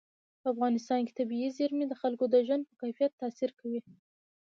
په افغانستان کې طبیعي زیرمې د خلکو د ژوند په کیفیت تاثیر کوي.